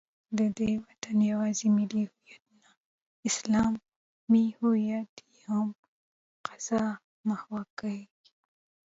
د دې وطن یوازې ملي هویت نه، اسلامي هویت یې هم قصدا محوه کېږي